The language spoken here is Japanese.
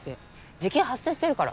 時給発生してるから。